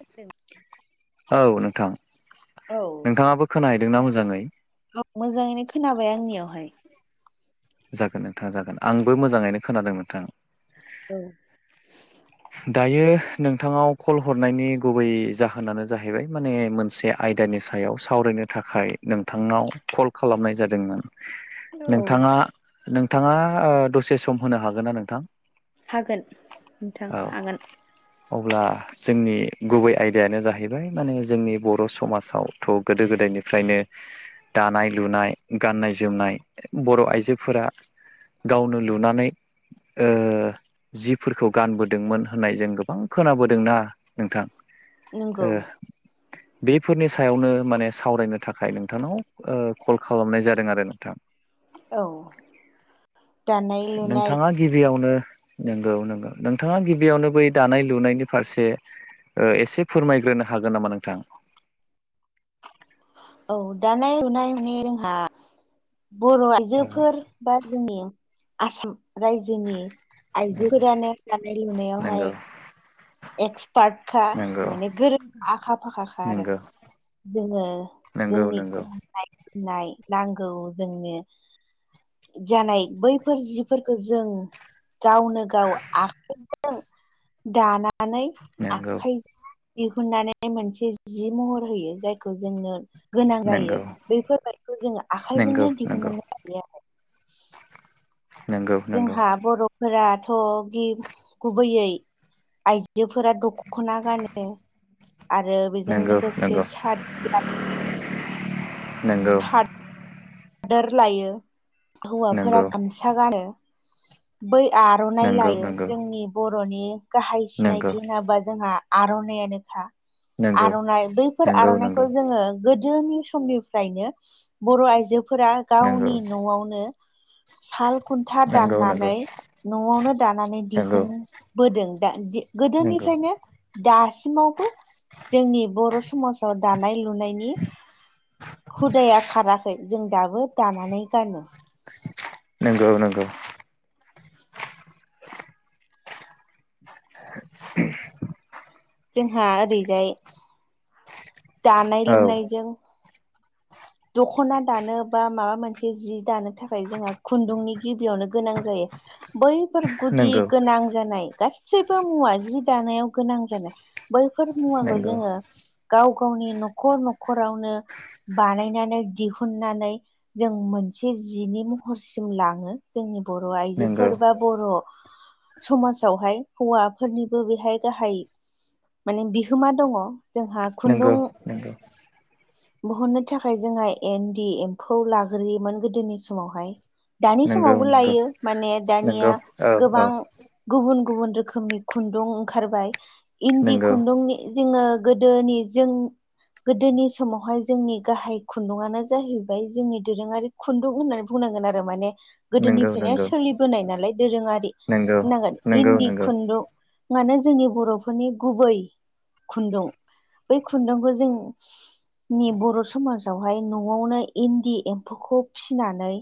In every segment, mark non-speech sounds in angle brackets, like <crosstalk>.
गोद <unintelligible> औ नोंथां नोंथाङाबो खोनाहैदोंना मोजाङै। औ मोजाङैनो खोनाबाय आंनियावहाय। जागोन नोंथाङा जागोन आंबो मोजाङैनो खोनादों नोंथांा औ दायो नोंथाङाव कल हरनायनि गुबै जाहोनानो जाहैबाय माने मोनसे आयदानि सायाव सावरायनो थाखाय नोंथांनाव कल खालामनाय जादोंमोन। औ नोंथाङा नोंथाङा ओ दसे सम होनो हागोन ना नोंथां? हागोन नोंथां औ हागोन। अब्ला जोंनि गुबै आयदायानो जाहैबाय माने जोंनि बर' समाजाव थ' गोदो गोदायनिफ्रायनो दानाय लुनाय गाननाय जोमनाय बर' आइजोफोरा गावनो लुनानै ओ जिफोरखौ गानबोदोंमोन होननाय जों गोबां खोनाबोदोंना नोंथां? ओ नंगौ बेफोरनि सायावनो माने सावरायनो थाखाय नोंथांनाव कल खालामनाय जादों आरो नोंथां। औ। दानाय लुनाय नोंथाङा गिबियावनो नंगौ नंगौ नोंथाङा गिबियावनो बै दानाय लुनायनि फारसे एसे फोरमायग्रोनो हागोन नामा नोंथां? औ दानाय लुनाय मे जोंहा बर' औ आइजोफोर बा जोंनि आसाम रायजोनि आइजोफोरानो दानाय लुनायावहाय नंगौ एक्सपार्टखा नंगौ माने गोरोंखा आखा फाखाख आरो। नंगौ जोङो नंगौ जोंनि नंगौ गनाय फनाय नांगौ जोंनो जानाय बैफोर जिफोरखौ जों गावनो गाव आखाइ <unintelligible> दानानै नंगौ आखाइजो दिहुननानै मोनसे जि महर होयो जायखौ जोंनो गोनां नंगौ जायो बैफोरबायदिखौ जोङो नंगौ आखाइजोंनो दिहुननानै लायो <unintelligible> नंगौ नंगौ जोंहा बर'फोराथ' गे गुबैयै आइजोफोरा दख'ना गानो आरो बेजों नंगौ लोगोसे नंगौ नंगौ। हादोर लायो नंगौ हौवाफोरा गामसा गानो बै आर'नाइ नंगौ लायो नंगौ जोंनि बर'नि गाहाय नंगौ सिनायथि होनोब्ला जोंहा आर'नाइानोखा नंगौ आर'नाइ बैफोर नंगौ नंगौ आर'नाइखौ जोङो गोदोनि समनिफ्रायनो बर' आइजोफोरा नंगौ गावनि न'आवनो। साल खुन्था नंगौ दाननानै नंगौ न'आवनो दानानै नंगौ दिहुनबोदों दा दि नंगौ गोदोनिफ्रायनो दासिमावबो जोंनि बर' समाजाव दानाय लुनायनि हुदाया खाराखै जों दाबो दानानै गानो नोंगौ नोंगौ <unintelligible> जोंहा ओरैजाय दानाय औ लुनाय जों <unintelligible> दखना दानो बा माबा मोनसे जि दानो थाखाय जोंहा खुन्दुंनि गिबियावनो गोनां जायो बैफोर गुदि नंगौ गोनां जानाय गासैबो मुवा जि दानायाव गोनां जानाय बैफोर मुवाखौ नंगौ जोंङो गाव गावनि नखर नखरावनो बानायनानै दिहुननानै जों मोनसे जिनि महरसिम लाङो जोंनि बर नंगौ आइजोफोर बा बर' समाजावहाय हौवाफोरनिबो बेहाय गाहाय माने बिहोमा दङ जोंह नोंगौ नोंगौ बहननो थाखाय जोङो एन्दि एम्फौ लाग्रोयोमोन गोदोनि समावहाय दानि नंगौ समावबो लायो माने नंगौ दानिया औ औ गोबां गुबुन गुबुन रोखोमनि खुन्दुं ओंखारबाय इन्दि नंगौ खुन्दुंनि जोङो गोदोनि जों गोदोनि समावहाय जोंनि गाहाय खुन्दुआनो जाहैबाय जोंनि दोरोङारि खुन्दुं होननानै बुंनांगोन आरो माने नंगौ गोदोनिफ्रायनो नंगौ सोलिबोनाय नालाय दोरोङारि नंगौ होनांगोन नंगौ इन्दि नंगौ खुन्दुं मानो जोंनि बर'फोरनि गुबै खुन्दुं बै खुन्दुंखौ जों नि बर समाज आवहाय नआवनो इन्दि एम्फौखौ फिनानै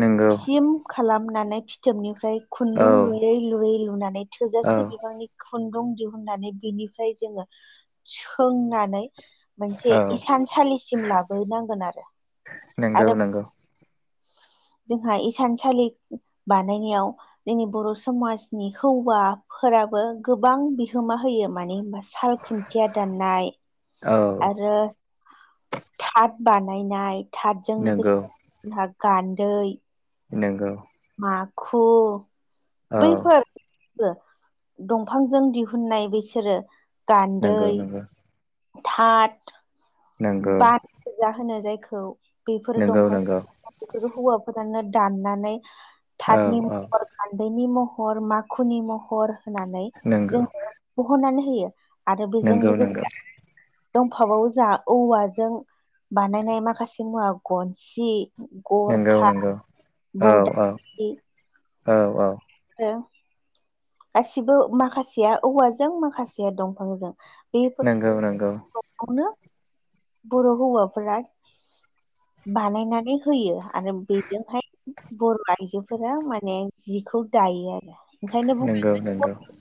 नंगौ खालामनानै फिथोबनिफ्राय औ खुन्दुं लुयै लुयै लुनानै औ थोजासे बिबांनि खुन्दुं दि होननानै बिनिफ्राय जोङो सोंनानै मोनसे औ इसान सालिसिम लाबोनांगोन आरो नोंगौ आरो नोंगौ जोंहा इसानसालि बानायनायाव जोंनि बर समाजनि हौवाफोराबो गोबां बिहोमा होयो मानो होमबा साल खुन्थिया दाननाय औ आरो थाथ बानायनाय थाथजों नंगौ लोगोसे <unintelligible> गान्दै नोंगौ माखु औ बैफोर दंफांजों दिहुननाय बिसोरो नंगौ गान्दै नंगौ थाथ नंगौ बानजा होनो जायखौ बेफोर नंगौ दंफां नंगौ बेफोरखो हौवाफोरानो दाननानै औ थाथनि औ महर गान्दैनि महर माखुनि महर होनानै नंगौ जोंङो बहननानै होयो आरो बेजों नंगौ नंगौ लोगोसे दंफाबावो जा औवाजों बानायनाय माखासे मुवा गनसि नंगौ गरखा नंगौ औ औ औ औ हो गासिबो माखासेया औवाजों माखासेया दंफांजों नंगौ नंगौ <unintelligible> बर' हौवाफोरा बानायनानै होयो आरो बेजोंहाय बर' आइजोफोरा माने जिखौ दायो आरो ओंखायनो बुं नंगौ नंगौ <unintelligible>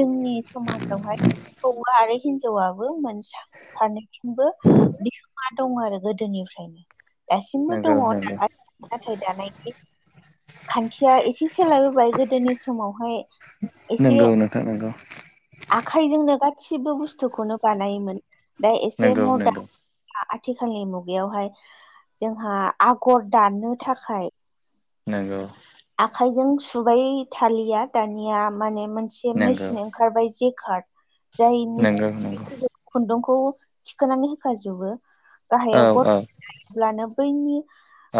जोंनि समाजावहाय हौवा आरो हिनजावाबो मोनसाफारनै बो बिहोमा दं आरो गोदोनिफ्रायनो दासिमबो नंगौ दंङ नंगौ नाथाय दानायनि खान्थिया एसे सोलाय बोबाय गोदोनि समावहाय एसे नंगौ नोंथां नंगौ आखाइजोंनो गासिबो बुस्थुखौनो बानायोमोन दा एसे नंगौ मदारन आ आथिखालनि मुगायावहाय जोंहा आगर दाननो थाखाय नोंगौ आखाइजों सुबाय थालिया दानिया माने मोनसे नंगौ मेसिन ओं ओंखारबाय जे कार्ड जाय मिस नंगौ नंगौ खुन्दुंखौ थिखोनानै होखाजोबो औ गाहायाव औ गरखा गाब्लानो बै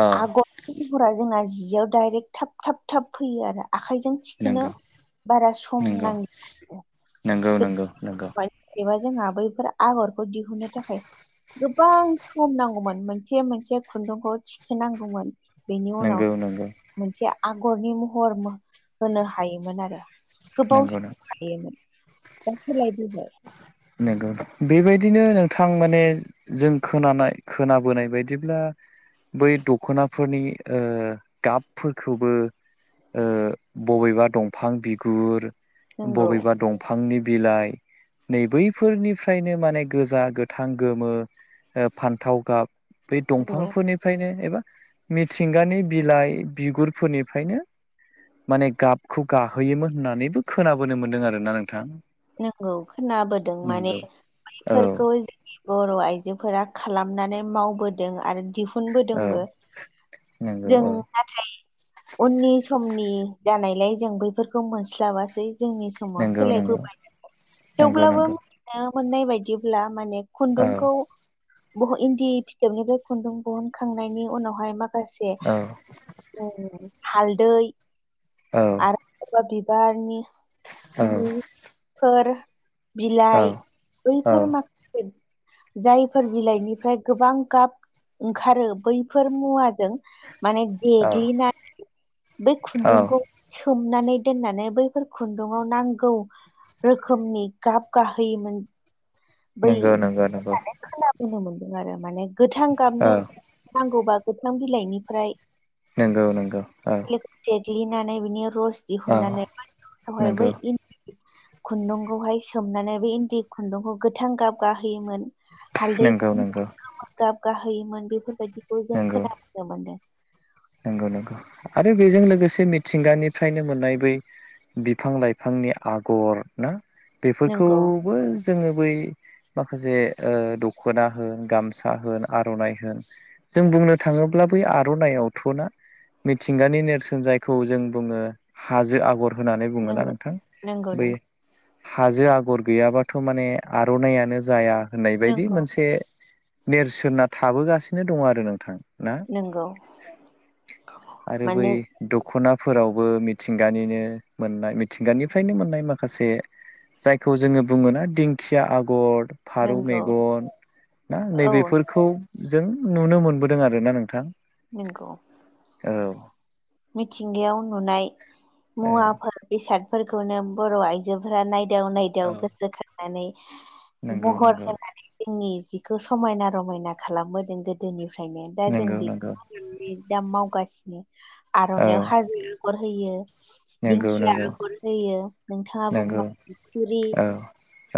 औ आगरफोरा जोंना जियाव दाइरेक्ट थाब थाब थाब फैयो आरो आखाइजों थिखोनो नंगौ बारा सम नंगौ नांला नंगौ आरो नंगौ नंगौ <unintelligible> एबा जोंहा बैफोर आगरखौ दिहुननो थाखाय गोबां सम नांगौमोन मोनसे मोनसे खुन्दुंखौ थिखोनांगौमोन बेनि उनाव नंगौ नंगौ मोनसे आगरनि महर होनो हायोमोन आरो गोबाव नंगौ सम लायोमोन दा सोलायबोबाय नोंगौ बेबायदिनो नोंथां माने जों खोनानाय खोनाबोनाय बायदिब्ला बै दख'नाफोरनि ओ गाबफोरखौबो ओ बबेबा दंफां बिगुर नंगौ बबेबा दंफांनि बिलाइ नै बैफोरनिफ्रायनो माने गोजा गोथां गोमो ओ फान्थाव गाब बै नंगौ दंफांफोरनि फ्रायनो एबा मिथिंगानि बिलाइ बिगुरफोरनिफ्रायनो माने गाबखौ गाहोयोमोन होननानैबो खोनाबोनो मोन्दों आरोना नोंथां नंगौ खोनाबोदों माने नोंगौ। औ बैफोरखौ बर' आइजोफोरा खालामनानै मावबोदों आरो औ दिहुनबोदोंबो नंगौ जों औ ना नाथाय उननि समनि जानायलाय जों बैफोरखौ मोनस्लाबासै जोंनि समाव नंगौ नंगौ सोलायबोबाय नंगौ थेवब्लाबो नंगौ ओ मोननाय बायदिब्ला माने औ खुन्दुंखौ बह'इन्दि फिथोबनिफ्राय खुन्दुं दिहुनखांनायनि उनावहाय माखासे औ हालदै औ बबेबा बिबारनि लि फोर औ बिलाइ औ बैफोर माख जायफोर बिलाइनिफ्राय गोबां गाब ओंखारो बैफोर मुवाजों माने देग्लिनानै बै औ खुन्दुंखौ सोमनानै दोननानै बैफोर खुन्दुङाव नांगौ रोखोमनि गाब गाहोयोमोन। बै नंगौ नंगौ नंगौ खोनाबोनो मोनदों आरो माने गोथां गाबनो औ नांगौबा गोथां बिलाइनिफ्राय नंगौ नंगौ औ देग्लिनानै बिनि रस औ दिहुननानै नंगौ बै खुन्दुंखौहाय सोमनानै बे इन्दि खुन्दुंखौ गोथां गाब गाहोयोमोन नंगौ नंगौ हालदैफोरनिफ्राय गोमो गाब गाहोयोमोन बेफोरबायदिखौ जों नंगौ खोनाबोनो मोनदों नंगौ नंगौ आरो बेजों लोगोसे मिथिंगानिफ्रायनो मोननाय बै बिफां लाइफांनि आगर ना नंगौ बेफोरखौबो जोङो बै माखासे ओ दख'ना होन गामसा होन आर'नाइ होन जों बुंनो थाङोब्ला बै आर'नाइ आव थना मिथिंगानि नेरसोन जायखौ जों बुङो हाजो आगर होननानै बुङोना नंगौ नोंथां नंगौ बै नंगौ हाजो आगर गैयाबाथ' माने आर'नाइयानो जाया होननाय बायदि नंगौ मोनसे नेरसोनना थाबोगासिनो दङ आरो नोंथां ना। नोंगौ आरो बै दख'नाफोरावबो मिथिंगानिनो मोननाय मिथिंगानिफ्रायनो मोननाय माखासे जायखौ जोङो बुङोना दिंखिया आगर फारौ नंगौ मेगन ना औ नैबेफोरखौ जों नुनो मोनबोदों आरो ना नोंथां। नंगौ औ मिथिंगायाव नुनाय औ मुवाफोर बेसादफोरखौनो बर' आइजोफोरा नायदाव औ नायदाव गोसोखांनानै नंगौ महर नंगौ होनानै जोंनि जिखौ समायना रमायना खालामबोदों गो दोनिफ्रायनो दा जों नंगौ नंगौ बेखौ दा मावगासिनो औ आर'नायइाव हाजो गर होयो नंगौ दिंखिया नंगौ आगर होयो नोंथाङा नंगौ बुंबा थुरि औ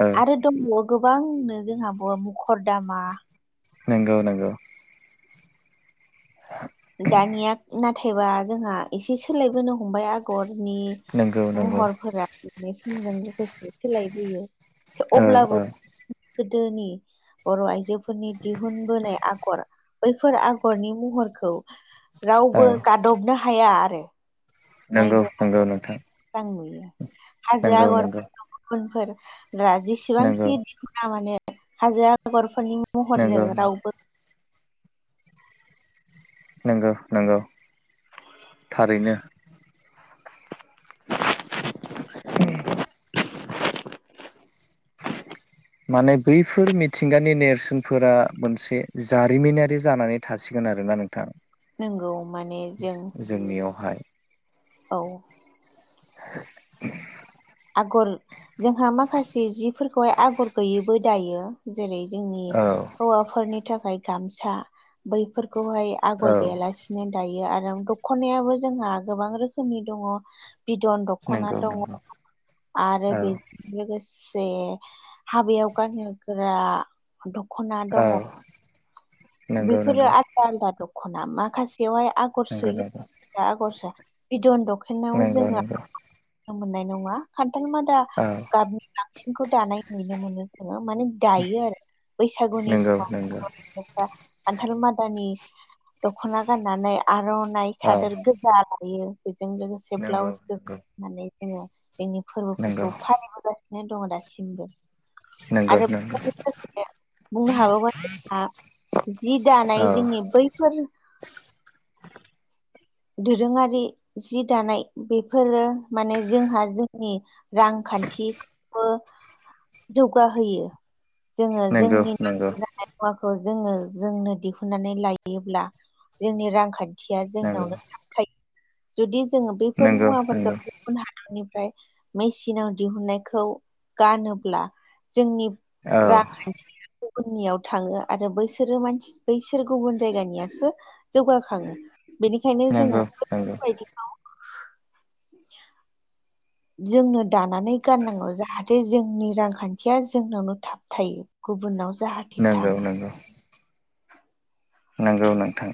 औ आरो दङो गोबांनो जोंहाबो मुखर दामा नोंगौ नंगौ <inaudible> दानिया ना थायबा जोंहा एसे सोलायबोनो हमबाय आगरनि नंगौ नंगौ महरफोरा। नाय समजों लोगोसे सोलायबोयो औ अब्लाबो औ गोदोनि बर' आइजोफोरनि दिहुनबोनाय आगर बैफोर आगरनि महरखौ औ रावबो गादबनो हाया आरो। नंगौ नायबो नंगौ आगर नोंथां मोजां नुयो हाजो नंगौ आगर नंगौ गुबुनफोर नंगौ जेसेबांखि दिखुनना माने हाजो आगरफोरनि महरजों नंगौ रावबो नंगौ नंगौ थारैनो <unintelligible> माने बैफोर मिथिंगानि नेरसोनफोरा मोनसे जारिमिनारि जानानै थासिगोन आरोना नोंथां। नंगौ माने जों जोंनियावहाय औ <unintelligible> आगर जोंहा माखासे जिफोरखौहाय आगर गैयैबो दायो। जेरै जोंनि औ हौवाफोरनि थाखाय गामसा बैफोरखौहाय। औ आगर औ गैयालासिनो दायो आरो दख'नायाबो जोंहा गोबां रोखोमनि दङ। बिदन दख'ना नंगौ दङ। नंगौ आरो बेजों लोगोसे हाबायाव गानहोग्रा दख'ना दङ। नंगौ बेफोरो आलदा आलदा दख'ना माखासेयावहाय गर नंगौ सोयो आगरआ बिदन दखनाव जोंहा नंगौ नुनो मोननाय नङा खान्थाल मा दा औ गाबनि बांसिनखौ दानाय नुनो मोनो जोङो माने दायो आरो बैसागुनि नंगौ समाव नंगौ दा खान्थाल मादानि दख'ना गाननानै आर'नाइ औ सादोर न लायो बेजों लोगोसे नंगौ ब्लाउस होननानै जोङो जोंनि नंगौ नंगौ फोरबोफोरखौ फालिबोगासिनो दङ दासिमबो। नंगौ आरो नंगौ बुंनो हागोबा जोंहा जि दानाय औ जोंनि बैफोर दोरोङारि जि दानाय बेफोरो माने जोंहा जोंनि रांखान्थिखौबो जौगाहोयो। जोङो नंगौ जोंनि नंगौ नं मुवाखौ जोङो जोंनो दिहुननानै लायोब्ला जोंनि रांखान्थिया जोंनावनो थायो जुदि जोङो बैफोर नंगौ नंगौ मुवाफोरखौ नंगौ गुबुन हादरनिफ्राय मेसिनाव दिहुननायखौ गानोब्ला जोंनि औ राख गुबुननियाव थाङो आरो बैसोरो मानसि बैसोर गुबुन जायगानियासो जौगाखाङो बेनिखायनो नंगौ नंगौ नंगौ जोङोफोरबायदि जोंनो दानानै गाननांगौ जाहाथे थे जोंनि रांखान्थिया जोंनावनो थाब थायो गुबुनाव जाहा नंगौ नंगौ। नंगौ नोंथां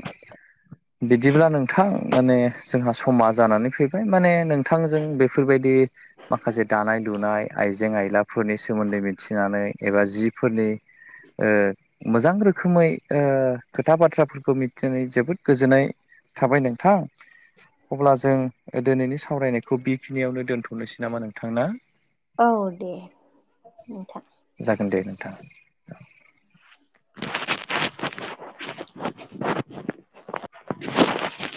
बिदिब्ला नोंथां। माने जोंहा समा जानानै फैबाय माने नोंथांजों बेफोरबायदि माखासे दानाय लुनाय आइजें आइलाफोर फोरनि सोमोन्दै मिथिनानै एबा जिफोरनि ओ मोजां रोखोमै ओ खोथा बाथ्राफोरखौ मिथिनानै जोबोद गोजोननाय थाबाय नोंथां। अब्ला जों दिनैनि सावरायनायखौ बेखिनियावनो दोनथ'नोसै नामा नोंथांना। औ दे नोंथां। जागोन दे नोंथाङा। <inaudible>